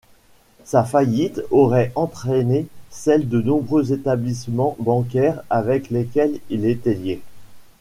Sa faillite aurait entraîné celle de nombreux établissements bancaires avec lesquels il était lié.